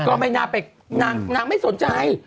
ก็ไม่น่าไปนางไม่สนใจ